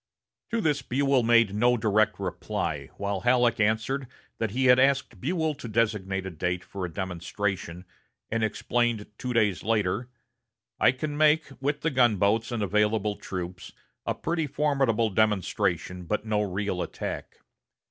To this Buell made no direct reply, while Halleck answered that he had asked Buell to designate a date for a demonstration, and explained two days later: "I can make, with the gunboats and available troops, a pretty formidable demonstration, but no real attack."